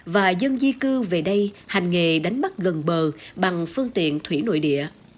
và dân di cư về đây hành nghề đánh bắt gần bờ bằng phương tiện thủy nội địa